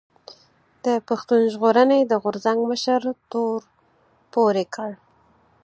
د پښتون ژغورنې د غورځنګ مشر تور پورې کړ